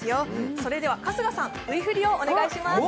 それでは春日さん、Ｖ振りをお願いします。